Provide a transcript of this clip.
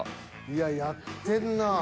いややってんなぁ。